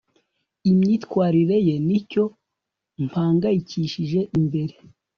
imyitwarire ye nicyo mpangayikishije mbere